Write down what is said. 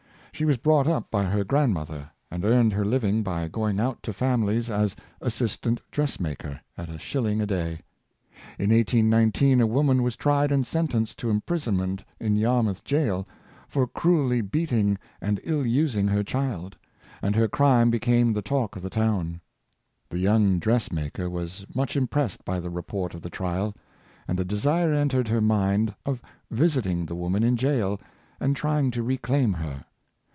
She was brought up by her grandmother, and earned her living by go ing out to families as assistant dress maker, at a shil ling a day. In 1819 a woman was tried and sentenced to imprisonment in Yarmouth Jail, for cruelly beating and ill using her child, and her crime became the talk of the town. The young dress maker was much im pressed by the report of the trial, and the desire entered her mind of visiting the woman in jail and trying to re claim her.